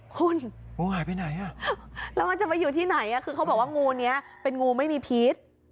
คุณแล้วมันจะไปอยู่ที่ไหนคือเขาบอกว่างู้นี่เป็นงู้ไม่มีพีช